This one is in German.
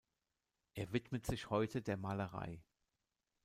Er widmet sich heute der Malerei.